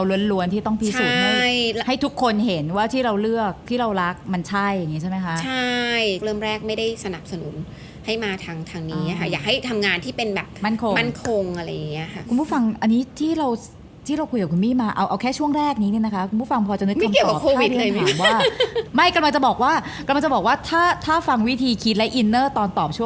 เริ่มแรกไม่ได้สนับสนุนให้มาทางทางนี้ค่ะอยากให้ทำงานที่เป็นแบบมั่นคงมั่นคงอะไรอย่างเงี้ยค่ะคุณผู้ฟังอันนี้ที่เราที่เราคุยกับคุณมี่มาเอาเอาแค่ช่วงแรกนิดหนึ่งนะคะคุณผู้ฟังพอจะนึกคำตอบไม่เกี่ยวกับโควิดเลยไม่กำลังจะบอกว่ากำลังจะบอกว่าถ้าถ้าฟังวิธีคิดและอินเนอร์ตอนตอบช